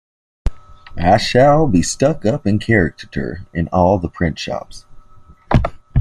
I shall be stuck up in caricatura in all the print-shops.